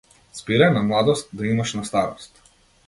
Збирај на младост, да имаш на старост.